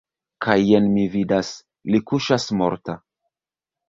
Kaj jen mi vidas – li kuŝas morta!